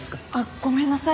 ごめんなさい。